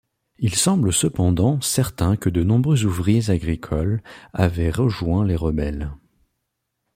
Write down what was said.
Il semble cependant certain que de nombreux ouvriers agricoles avaient rejoint les rebelles.